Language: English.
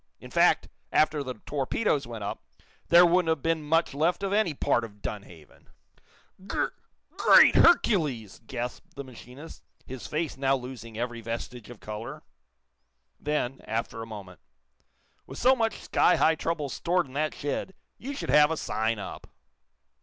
In fact, after the torpedoes went up, there wouldn't have been much left of any part of Dunhaven!" "Gr great Hercules!" gasped the machinist, his face now losing every vestige of color. Then, after a moment: "With so much sky high trouble stored in that shed, you should have a sign up."